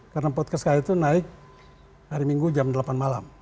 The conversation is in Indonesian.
karena podcast saya itu naik hari minggu jam delapan malam